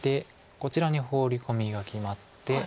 こちらにホウリコミが決まって。